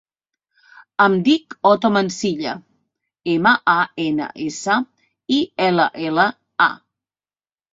Em dic Otto Mansilla: ema, a, ena, essa, i, ela, ela, a.